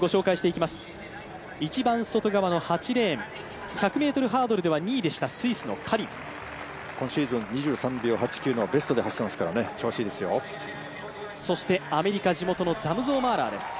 一番外側８レーン、１００ｍハードルでは２位でした今シーズン２３秒８９のベストで走っていますから、調子いいですよ。